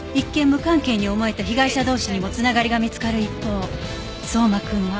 無関係に思えた被害者同士にもつながりが見つかる一方相馬くんは